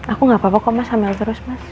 aku gak apa apa kok mas hamil terus mas